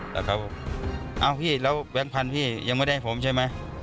แต่เขาบอกเอ้าพี่แล้วแบงค์พันธุ์พี่ยังไม่ได้ให้ผมใช่ไหม